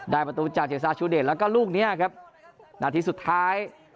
ประตูจากเจษาชูเดชแล้วก็ลูกเนี้ยครับนาทีสุดท้าย